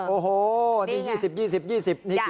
โอ้โหนี่๒๐นี่กี่บาทนะ